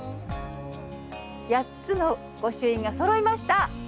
８つの御朱印が揃いました！